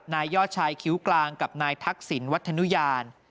นายยอดชายคิ้วกลางกับนายทักษิณวัฒนุญาณ